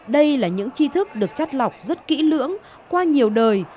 đây là những trí thức được chắt lọc rất kỹ lưỡng qua nhiều đời